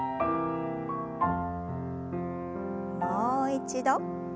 もう一度。